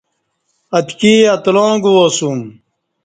اتکی اتلاں گوا سوم۔